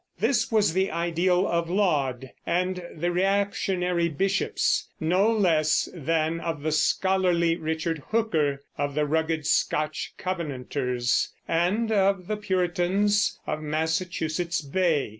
This was the ideal of Laud and the reactionary bishops, no less than of the scholarly Richard Hooker, of the rugged Scotch Covenanters, and of the Puritans of Massachusetts Bay.